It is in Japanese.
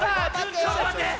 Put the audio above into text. ちょっとまって。